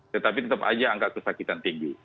tetapi tetap aja angka kesakitan tinggi